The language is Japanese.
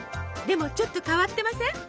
でもちょっと変わってません？